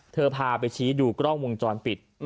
พาไปชี้ดูกล้องวงจรปิด